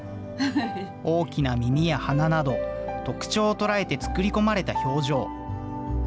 大きな耳や鼻など特徴を捉えて作り込まれた表情。